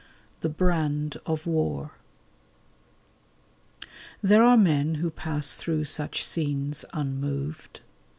The Brand of War There are men who pass through such scenes unmoved.